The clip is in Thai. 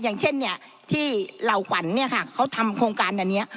อย่างเช่นเนี่ยที่เหล่าขวัญเนี่ยค่ะเขาทำโครงการอันนี้